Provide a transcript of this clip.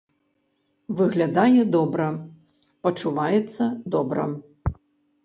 Выглядае добра, пачуваецца добра.